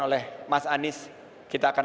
oleh mas anies kita akan